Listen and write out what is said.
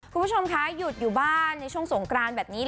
คุณผู้ชมคะหยุดอยู่บ้านในช่วงสงกรานแบบนี้